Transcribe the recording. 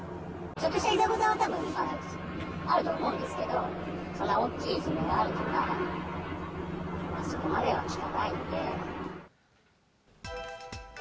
ちょっとしたいざこざはたぶん、あると思うんですけど、そんな大きいいじめがあるとか、そこまでは聞かないので。